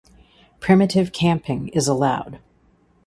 Primitive camping is allowed.